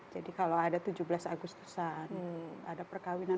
jadi kalau ada tujuh belas agustusan ada perkawinan